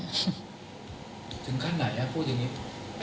ถึงขั้นไหนพูดอย่างนี้